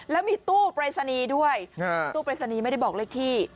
แล้วมีตู้เปรสนีด้วยตู้เปรสนีไม่ได้บอกเลขที่